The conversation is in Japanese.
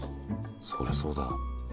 そりゃそうだ。